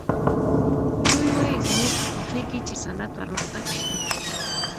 دوی وايي زموږ خوښېږي چې صنعت پرمختګ وکړي